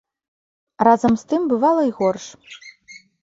Разам з тым, бывала й горш.